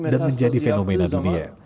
dan menjadi fenomena dunia